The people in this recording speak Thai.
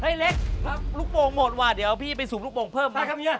เล็กลูกโป่งหมดว่ะเดี๋ยวพี่ไปสูบลูกโป่งเพิ่มมาครับ